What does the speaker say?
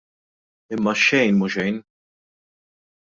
Imma xejn mhu xejn!